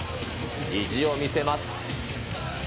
意地を見せます。